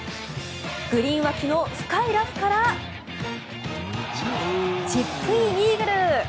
グリーン脇の深いラフからチップインイーグル。